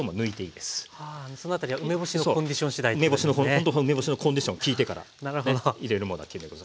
ほんと梅干しのコンディション聞いてからね入れるものは決めて下さい。